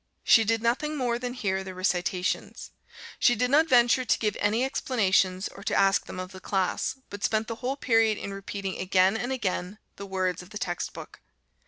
She did nothing more than hear the recitations. She did not venture to give any explanations or to ask them of the class, but spent the whole period in repeating again and again the words of the text book.